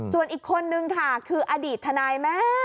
ส่วนอีกคนนึงค่ะคืออดีตทนายแม่